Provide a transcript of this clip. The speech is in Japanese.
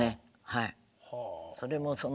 はい。